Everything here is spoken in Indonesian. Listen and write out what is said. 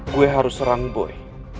gua harus serang woy